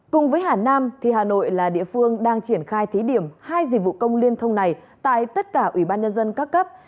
cùng với hà nam thì hà nội là địa phương đang triển khai thí điểm hai dịch vụ công liên thông này tại tất cả ủy ban nhân dân các cấp